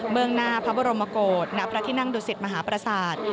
เมืองหน้าพระบรมโกศณพระที่นั่งดุสิตมหาประสาท